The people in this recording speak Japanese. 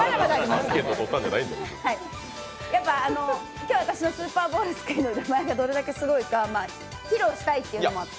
今日は私のスーパーボールすくいの腕前がどれだけすごいか披露したいというのもあって。